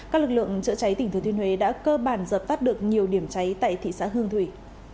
các lực lượng chữa cháy tỉnh thừa thiên huế đã cơ bản dập tắt được nhiều điểm cháy tại thị xã hương thủy